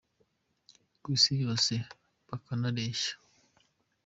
Ku isi yose bukanareshya